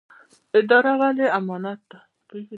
اداره ولې امانت ده؟